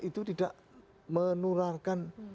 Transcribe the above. itu tidak menularkan